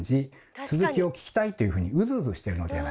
「続きを聞きたい！」というふうにウズウズしてるのではないか。